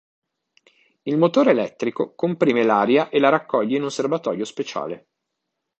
Il motore elettrico comprime l'aria e la raccoglie in un serbatoio speciale.